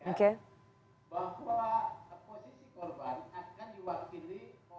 nanti boleh ditanya sama senior saya